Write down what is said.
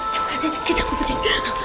coba kita keputus